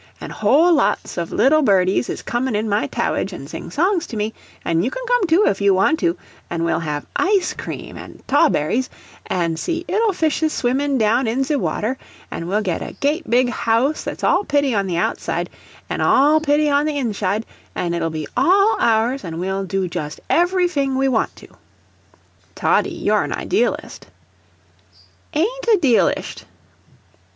An' whole lots of little birdies is comin' in my tarridge an' sing songs to me, an' you can come too if you want to, an' we'll have ICE cream an' 'trawberries, an' see 'ittle fishes swimmin' down in ze water, an' we'll get a g'eat big house that's all p'itty on the outshide an' all p'itty on the inshide, and it'll all be ours and we'll do just evvyfing we want to." "Toddy, you're an idealist." "AIN'T a 'dealisht."